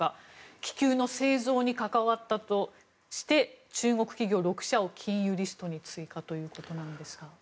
気球の製造に関わったとして中国企業６社を禁輸リストに追加ということなんですが。